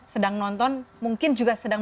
sedang nonton mungkin juga sedang